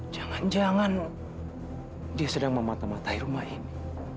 jangan jangan dia sedang mematah matahi rumah ini